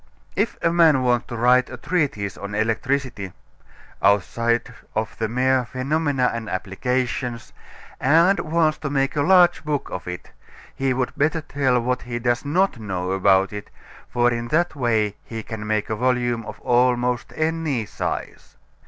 If a man wants to write a treatise on electricity outside of the mere phenomena and applications and wants to make a large book of it, he would better tell what he does not know about it, for in that way he can make a volume of almost any size.